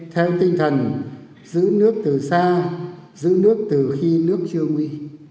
theo tinh thần giữ nước từ xa giữ nước từ khi nước chưa nguy